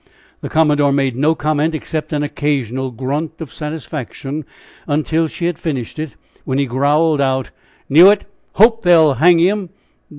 The commodore made no comment, except an occasional grunt of satisfaction, until she had finished it, when he growled out: "Knew it! hope they'll hang him!